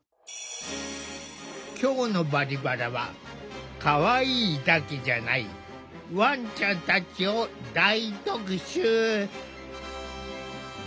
今日の「バリバラ」はかわいいだけじゃないワンちゃんたちを大特集！